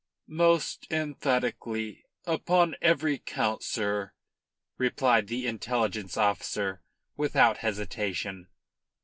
"Most emphatically upon every count, sir," replied the intelligence officer without hesitation.